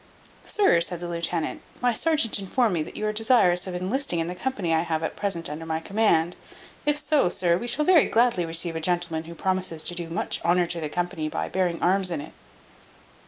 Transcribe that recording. "Sir," said the lieutenant, "my serjeant informed me that you are desirous of enlisting in the company I have at present under my command; if so, sir, we shall very gladly receive a gentleman who promises to do much honour to the company by bearing arms in it."